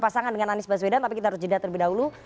pasangan dengan anies baswedan tapi kita harus jeda terlebih dahulu